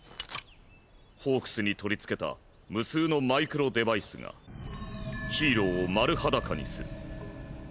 ホークスに取りつけた無数のマイクロデバイスがヒーローを丸裸にする。